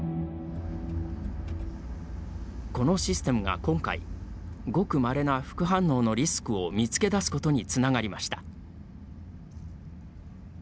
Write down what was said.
このシステ厶が今回ごくまれな副反応のリスクを見つけだすことにつながりました。